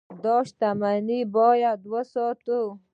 دا شتمني باید وساتو.